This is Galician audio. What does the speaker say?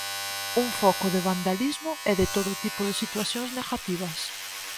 Un foco de vandalismo e de todo tipo de situacións negativas.